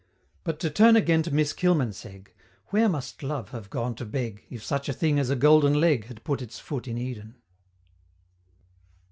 But to turn again to Miss Kilmansegg, Where must Love have gone to beg, If such a thing as a Golden Leg Had put its foot in Eden!